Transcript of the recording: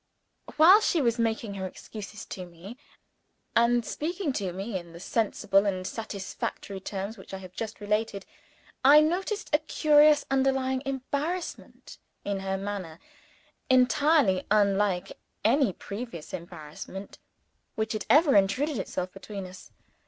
While she was making her excuses to me, and speaking in the sensible and satisfactory terms which I have just repeated, I noticed a curious underlying embarrassment in her manner, entirely unlike any previous embarrassment which had ever intruded itself between us.